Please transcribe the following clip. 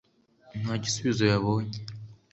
nta gisubizo yabonye